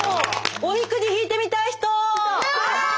おみくじ引いてみたい人！